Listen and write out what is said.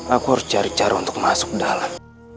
aku harus cari cara untuk masuk ke dalam